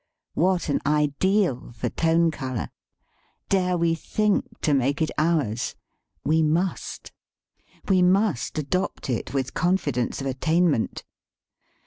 What an ideal for tone color! Dare we think to make it ours ? We must. We must adopt it with confidence of attainment.